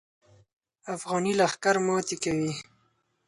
افغاني لښکر ماتې کوي.